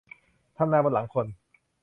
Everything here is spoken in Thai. ทำนาบนหลังคน